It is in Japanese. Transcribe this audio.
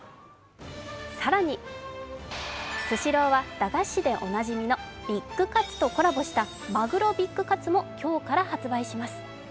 更に、スシローは駄菓子でおなじみのビッグカツとコラボしたマグロビッグカツも今日から発売します。